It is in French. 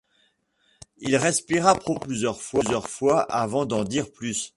Il respira profondément plusieurs fois avant d’en dire plus.